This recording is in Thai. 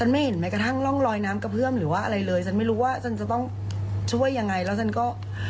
ไม่รู้ว่าฉันจะต้องช่วยอย่างไรแล้วฉันก็